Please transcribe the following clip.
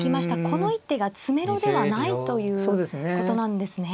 この一手が詰めろではないということなんですね。